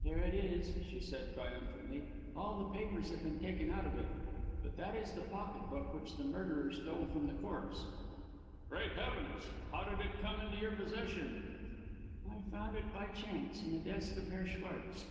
"There it is," she said triumphantly. "All the papers have been taken out of it. But that is the pocket book which the murderer stole from the corpse." "Great Heavens! How did it come into your possession?" "I found it by chance in the desk of Herr Schwartz."